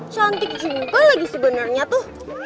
cantik simple lagi sebenarnya tuh